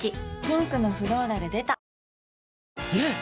ピンクのフローラル出たねえ‼